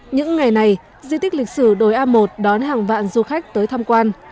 những ngày này di tích lịch sử đồi a một đón hàng vạn du khách tới tham quan